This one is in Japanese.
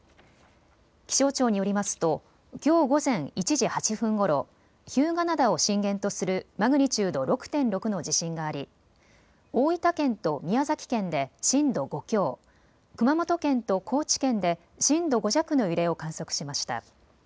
気象庁によりますときょう午前１時８分ごろ日向灘を震源とするマグニチュード６．６の地震があり、大分県と宮崎県で震度５強、熊本県と高知県で震度５弱の揺れを観測しました。